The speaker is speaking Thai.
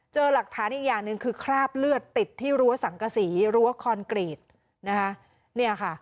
เจอหลักฐานอีกอย่างหนึ่งคือคราบเลือดติดที่รั้วสังกษีรั้วคอนกรีตนะคะเนี่ยค่ะ